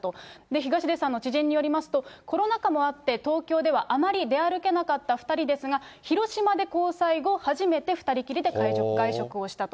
東出さんの知人によりますと、コロナ禍もあって、東京ではあまり出歩けなかった２人ですが、広島で交際後、初めて２人きりで外食をしたと。